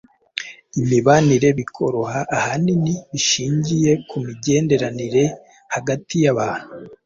imibanire bikoroha ahanini bishingiye ku migenderanire hagati y’abantu.